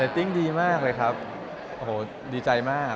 ติ้งดีมากเลยครับโอ้โหดีใจมาก